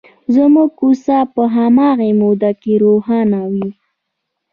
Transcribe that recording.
زموږ کوڅه په هماغې موده کې روښانه وي.